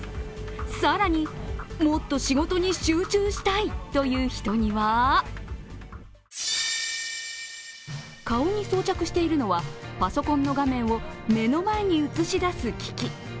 さらに、もっと仕事に集中したいという人には顔に装着しているのはパソコンの画面を目の前に映し出す機器。